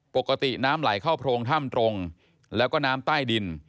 ปกติน้ำไหลเข้าโพรงถ้ำตรงแล้วก็น้ำใต้ดิน